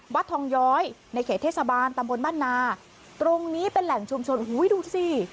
วัดทองย้อยในเขตเทศบาลตำบลบ้านนาตรงนี้เป็นแหล่งชุมชนอุ้ยดูสิ